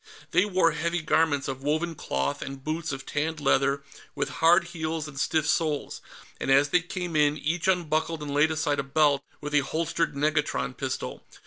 They wore heavy garments of woven cloth and boots of tanned leather with hard heels and stiff soles, and as they came in, each unbuckled and laid aside a belt with a holstered negatron pistol.